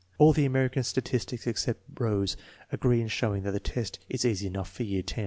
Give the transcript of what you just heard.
All the American statistics ex cept Howe's agree in showing that the test is easy enough for year X.